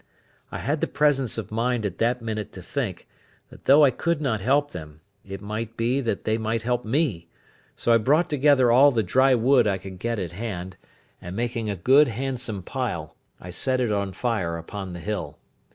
I had the presence of mind at that minute to think, that though I could not help them, it might be that they might help me; so I brought together all the dry wood I could get at hand, and making a good handsome pile, I set it on fire upon the hill.